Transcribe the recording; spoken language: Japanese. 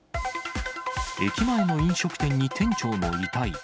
駅前の飲食店に店長の遺体。